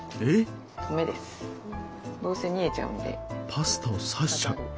パスタをさしちゃう。